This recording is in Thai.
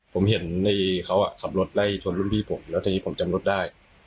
ผมเห็นในเขาขับรถไล่ชนรุ่นพี่ผมแล้วทีนี้ผมจำรถได้